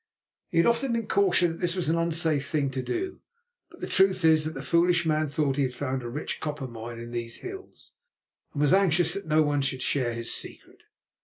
He had often been cautioned that this was an unsafe thing to do, but the truth is that the foolish man thought he had found a rich copper mine in these hills, and was anxious that no one should share his secret.